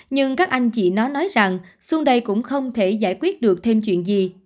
nhưng các anh chị nó nói rằng xuống đây cũng không thể giải quyết được thêm chuyện gì